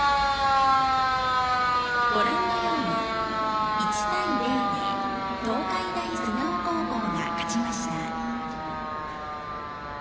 ご覧のように１対０で東海大菅生高校が勝ちました。